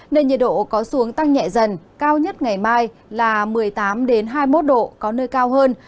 nên nhiệt độ có xuống tăng nhẹ dần cao nhất ngày mai là một mươi tám hai mươi một độ có nơi cao hơn